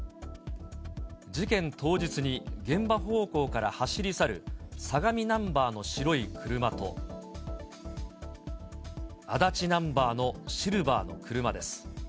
事件当日に、現場方向から走り去る相模ナンバーの白い車と、足立ナンバーのシルバーの車です。